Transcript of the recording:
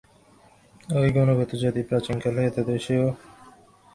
ঐ গুণগত জাতি প্রাচীনকালে এতদ্দেশেও প্রচার থাকিয়া শূদ্রকুলকে দৃঢ়বন্ধনে বদ্ধ করিয়া রাখিয়াছিল।